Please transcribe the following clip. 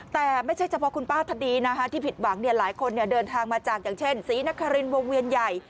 แต่ไม่ใช่เฉพาะคุณป้าท่านดีนะคะที่ผิดหวังหลายคนเดินทางมาจากอย่างเช่นศรีนครินวงเวียนใหญ่